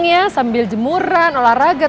kita akan memiliki semua yang harus kita gunakan